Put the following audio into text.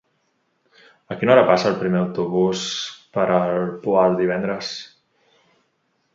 A quina hora passa el primer autobús per el Poal divendres?